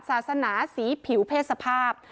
ศาสนาสีผิวเพศสภาพ